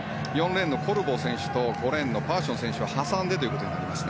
４レーンのコルボー選手と５レーンのパーション選手を挟んでということになります。